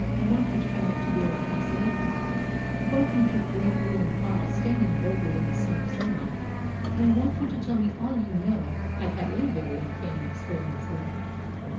"I want you to come up to the old castle with me," pointing to the great ruined pile standing boldly in the summer sunlight, "and I want you to tell me all you know. I've had a very uncanny experience there."